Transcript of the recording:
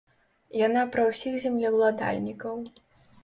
Яна пра ўсіх землеўладальнікаў.